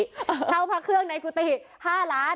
เช่าพระเครื่องในกุฏิ๕ล้าน